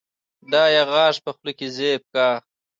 دا يې غاښ په خوله کې زېب کا